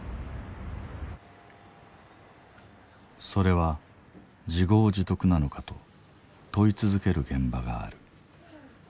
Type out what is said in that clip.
それは自業自得なのかと問い続ける現場がある。